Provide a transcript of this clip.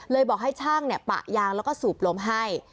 เลยบอกให้ช่างเนี่ยปะยางก็สูบลมให้